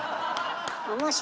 面白い。